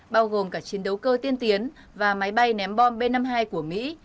bao gồm cả chiến đấu cơ tiên tiến và máy bay ném bom b năm mươi hai của mỹ